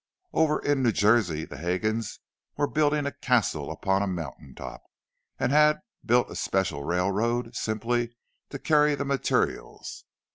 Over in New Jersey the Hegans were building a castle upon a mountain top, and had built a special railroad simply to carry the materials.